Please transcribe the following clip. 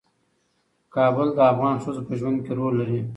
کابل د افغان ښځو په ژوند کې رول لري.